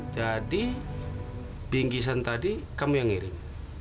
jadi bingkisan tadi kamu yang ngirim